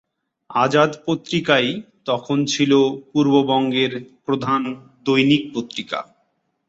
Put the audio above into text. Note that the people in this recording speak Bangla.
আজাদ পত্রিকাই তখন ছিল পূর্ববঙ্গের প্রধান দৈনিক পত্রিকা।